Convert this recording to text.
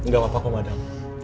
gak apa apa madem